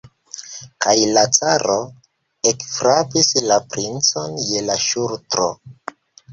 Kaj la caro ekfrapis la princon je la ŝultro.